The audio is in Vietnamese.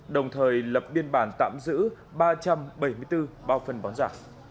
đồng thời lập biên bản tạm giữ ba trăm bảy mươi bốn bao phân bón giả